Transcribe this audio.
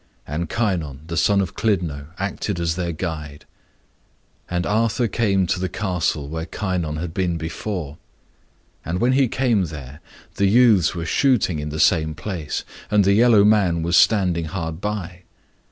And Kynon, the son of Clydno, acted as their guide. And Arthur came to the castle where Kynon had been before. And when he came there, the youths were shooting in the same place, and the yellow man was standing hard by.